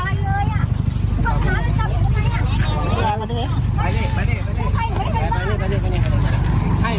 กลับอันนี้ิดอะไรหาด่อกรามันเต็มตั๊กด้วยไหม